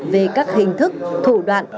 về các hình thức thủ đoạn